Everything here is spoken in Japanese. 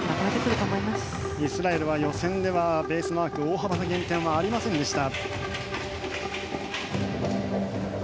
イスラエルは予選ではベースマーク大幅な減点はありませんでした。